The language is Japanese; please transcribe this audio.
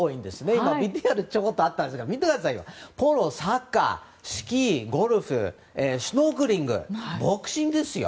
今、ＶＴＲにもあったんですがポロ、サッカースキー、ゴルフシュノーケリングボクシングですよ。